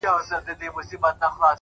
پوهه د شکونو تیاره روښانه کوي,